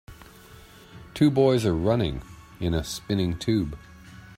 Two boys are running in a spinning tube.